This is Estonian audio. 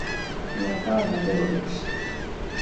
Nii et on aeg tegudeks.